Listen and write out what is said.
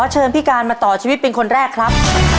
เชิญพี่การมาต่อชีวิตเป็นคนแรกครับ